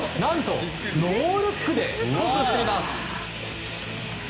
ノールックでトスしています。